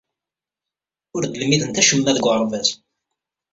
Ur d-lmidemt acemma deg uɣerbaz.